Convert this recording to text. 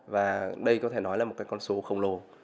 và đây có thể nói là một cái con số khổng lồ